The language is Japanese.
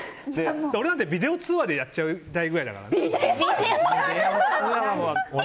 俺なんてビデオ通話でやっちゃいたいぐらいだから。